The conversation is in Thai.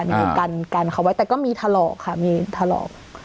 มีการกันเขาไว้แต่ก็มีถลอกค่ะมีถลอก